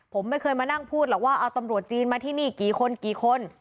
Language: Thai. ผมไม่เคยมานั่งพูดหรอกว่าเอาตำรวจจีนมาที่นี่กี่คนกี่คน